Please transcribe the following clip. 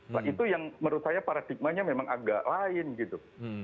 nah itu yang menurut saya paradigmanya memang agak lain gitu